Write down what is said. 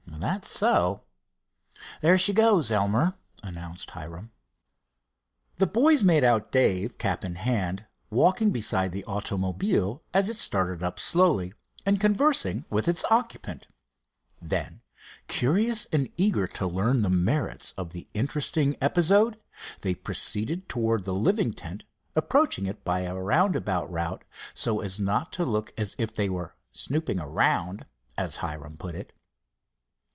"That's so. There she goes, Elmer," announced Hiram. The boys made out Dave, cap in hand, walking beside the automobile as it started up slowly, and conversing with its occupant. Then, curious and eager to learn the merits of the interesting episode, they proceeded towards the living tent, approaching it by a roundabout route so as not to look as if they were "snooping around," as Hiram put it.